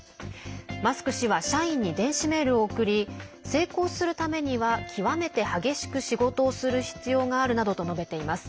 マスク氏は社員に電子メールを送り成功するためには、極めて激しく仕事をする必要があるなどと述べています。